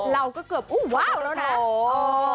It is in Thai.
เราก็เกือบอุ้มว้าวแล้วนะ